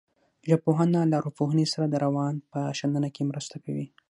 ژبپوهنه له ارواپوهنې سره د روان په شننه کې مرسته کوي